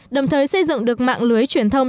đồng thời xây dựng được mạng lưới truyền thông